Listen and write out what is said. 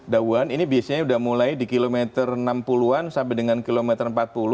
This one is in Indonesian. dawan ini biasanya sudah mulai di kilometer enam puluh an sampai dengan kilometer empat puluh